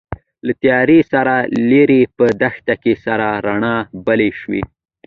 له تيارې سره ليرې په دښته کې سرې رڼاوې بلې شوې.